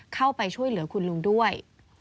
เข้าไปช่วยเหลือคุณลุงด้วย